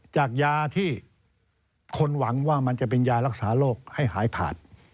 จากยาที่คนหวังว่ามันจะเป็นยารักษาโรคให้หายขาด